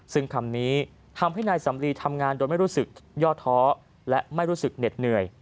ซึ่งคำนี้ทำให้นายสำลีทำงานโดยไม่รู้สึกย่อท้อและไม่รู้สึกเหน็ดเหนื่อย